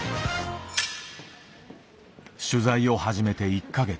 取材を始めて１か月。